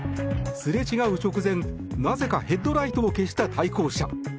すれ違う直前、なぜかヘッドライトを消した対向車。